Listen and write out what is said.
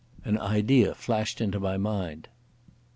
An idea flashed into my mind.